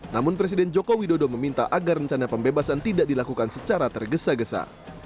namun presiden joko widodo meminta agar rencana pembebasan tidak dilakukan secara tergesa gesa